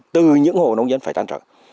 từ những hồ nông dân phải tan trở